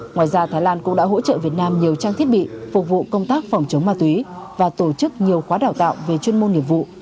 ngoài ra thái lan cũng đã hỗ trợ việt nam nhiều trang thiết bị phục vụ công tác phòng chống ma túy và tổ chức nhiều khóa đào tạo về chuyên môn nghiệp vụ